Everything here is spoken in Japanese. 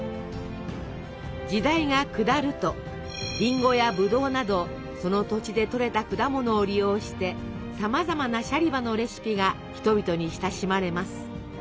時代が下るとりんごやぶどうなどその土地で採れた果物を利用してさまざまなシャリバのレシピが人々に親しまれます。